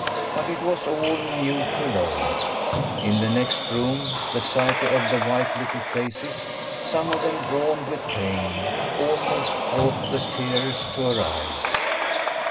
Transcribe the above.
But it was all new to Lloyd. In the next room the sight of the white little faces, some of them drawn with pain, almost brought the tears to her eyes.